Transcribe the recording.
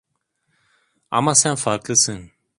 Ama sen farklısın.